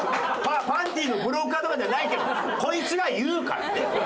パンティーのブローカーとかじゃないけどこいつが言うからね。